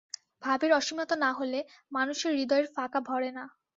ভাবের অসীমতা না হলে মানুষের হৃদয়ের ফাঁকা ভরে না।